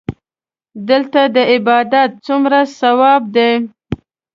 دلته د عبادت څومره ثواب دی.